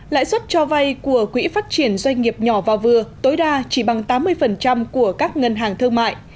lãi suất cho vay của quỹ phát triển doanh nghiệp nhỏ và vừa tối đa chỉ bằng tám mươi của các ngân hàng thương mại